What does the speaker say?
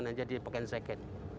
nah jadi pakaian second